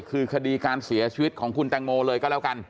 คือคดีการเสียชีวิตของคุณแตงโมเลยก็แล้วกัน